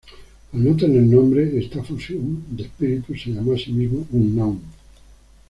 Al no tener nombre esta fusión de espíritus se llamó a sí mismo Unknown.